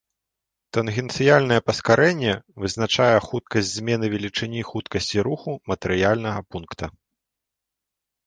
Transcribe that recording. Тангенцыяльнае паскарэнне вызначае хуткасць змены велічыні хуткасці руху матэрыяльнага пункта.